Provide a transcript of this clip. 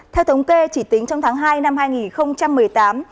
theo thống kê chỉ tính trong tháng hai năm hai nghìn một mươi tám